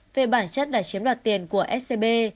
về bản chất đã chiếm đoạt tiền của scb